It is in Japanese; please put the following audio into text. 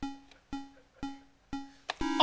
あ！